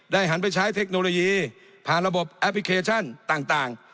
หันไปใช้เทคโนโลยีผ่านระบบแอปพลิเคชันต่าง